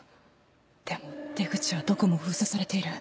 でも出口はどこも封鎖されている。